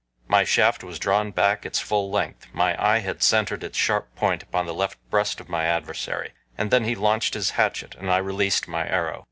My shaft was drawn back its full length my eye had centered its sharp point upon the left breast of my adversary; and then he launched his hatchet and I released my arrow.